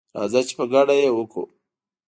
راځه چي په ګډه یې وکړو